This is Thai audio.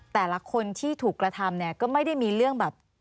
แต่ละคนที่ถูกกระทำเนี่ยก็ไม่ได้มีเรื่องแบบ